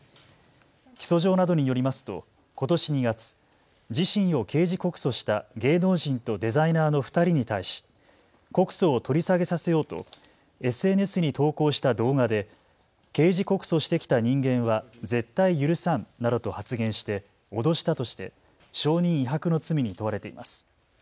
起訴状などによりますとことし２月、自身を刑事告訴した芸能人とデザイナーの２人に対し告訴を取り下げさせようとＳＮＳに投稿した動画で刑事告訴してきた人間は絶対許さんなどと発言して脅したとして証人威迫の罪に問われています。